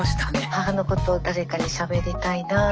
母のことを誰かにしゃべりたいなあとか思って。